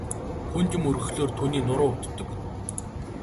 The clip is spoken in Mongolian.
Хүнд юм өргөхлөөр түүний нуруу өвддөг.